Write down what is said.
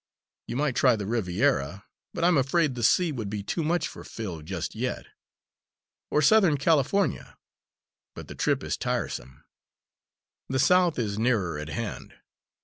You might try the Riviera, but I'm afraid the sea would be too much for Phil just yet; or southern California but the trip is tiresome. The South is nearer at hand.